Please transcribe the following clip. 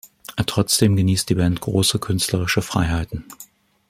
Trotzdem genießt die Band große künstlerische Freiheiten.